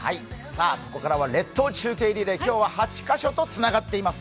ここからは列島中継リレー、今日は８カ所とつながっています。